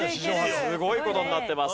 すごい事になってます。